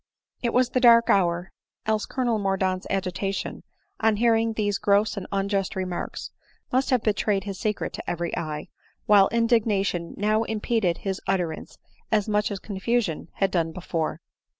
It was the dark hour, else Colonel Mordaunt's agita tion, on hearing these gross and unjust remarks, must have betrayed his secret to every eye ; while indignation now impeded his utterance as much as confusion had done before.